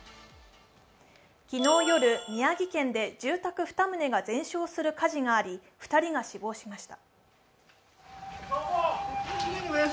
昨日夜、宮城県で住宅２棟が全焼する火事があり２人が死亡しました。